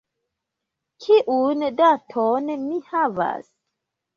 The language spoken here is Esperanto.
Kiun daton ni havas?